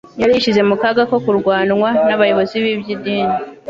yari yishyize mu kaga ko kurwanywa n'abayobozi b'iby'idini,